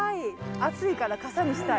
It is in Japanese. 暑いから傘にしたい。